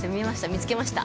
見つけました。